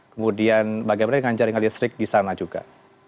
kemudian bagaimana dengan jaringan listrik di sana juga